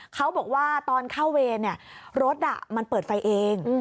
เขาบอกว่าตอนเข้าเวรรถมันเปิดไฟเอง